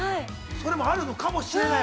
◆それもあるのかもしれない。